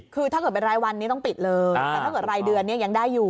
คือถ้าเกิดเป็นรายวันนี้ต้องปิดเลยแต่ถ้าเกิดรายเดือนเนี่ยยังได้อยู่